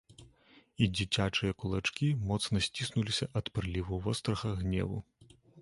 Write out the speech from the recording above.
І дзіцячыя кулачкі моцна сціснуліся ад прыліву вострага гневу.